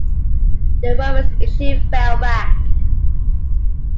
The Romans initially fell back.